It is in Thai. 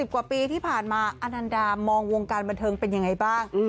กว่าปีที่ผ่านมาอนันดามองวงการบันเทิงเป็นยังไงบ้าง